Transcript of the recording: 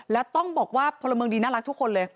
แล้วต้องบอกว่าพลเมืองดีน่ารักทุกคนเลย